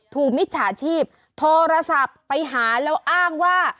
มิจฉาชีพโทรศัพท์ไปหาแล้วอ้างว่า